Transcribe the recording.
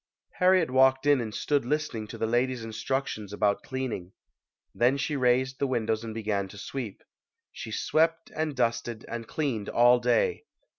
Harriet walked in and stood listening to the lady's instructions about cleaning. Then she raised the windows and began to sweep. She swept and dusted and cleaned all day.